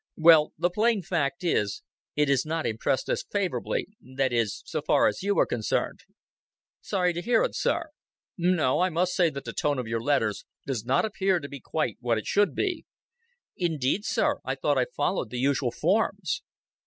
Well, the plain fact is, it has not impressed us favorably that is, so far as you are concerned." "Sorry to hear it, sir." "No, I must say that the tone of your letters does not appear to be quite what it should be." "Indeed, sir. I thought I followed the usual forms."